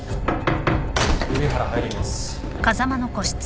・瓜原入ります。